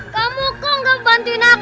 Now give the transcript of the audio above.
kamu kok gak bantuin aku